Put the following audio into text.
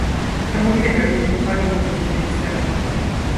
Таму ведаю, якім павінен быць афіцэр.